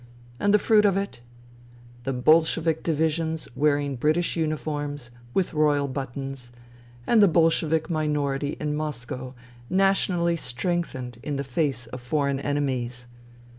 And the fruit of it ? The Bolshevik divisions wearing British uniforms with royal buttons, and the Bolshevik minority in Moscow nationally strengthened in the face of foreign enemies.